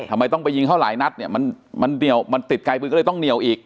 ทำไมต้องไปยิงเขาหลายนัดเนี่ยมันเหนียวมันติดไกลปืนก็เลยต้องเหนียวอีก